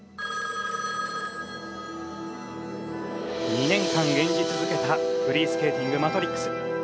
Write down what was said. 「」２年間演じ続けたフリースケーティング「マトリックス」。